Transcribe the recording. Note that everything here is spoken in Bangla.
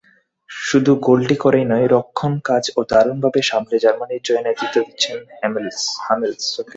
শুধু গোলটি করেই নয়, রক্ষণকাজও দারুণভাবে সামলে জার্মানির জয়ে নেতৃত্ব দিয়েছেন হামেলস।